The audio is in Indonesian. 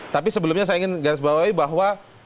tapi sebelumnya saya ingin garis bawahi bahwa